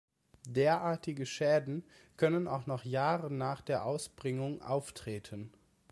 Derartige Schäden können auch noch Jahre nach der Ausbringung auftreten.